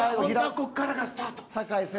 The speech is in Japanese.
ここからがスタート。